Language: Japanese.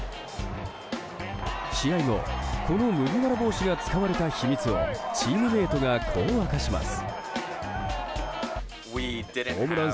試合後、この麦わら帽子が使われた秘密をチームメートがこう明かします。